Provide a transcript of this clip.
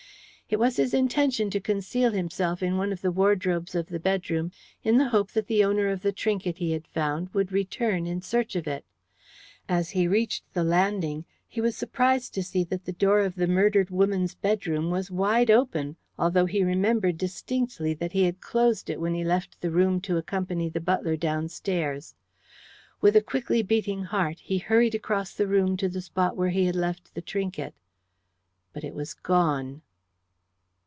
It was his intention to conceal himself in one of the wardrobes of the bedroom in the hope that the owner of the trinket he had found would return in search of it. As he reached the landing he was surprised to see that the door of the murdered woman's bedroom was wide open, although he remembered distinctly that he had closed it when he left the room to accompany the butler downstairs. With a quickly beating heart he hurried across the room to the spot where he had left the trinket. But it was gone.